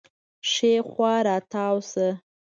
ښي خوا راتاو شه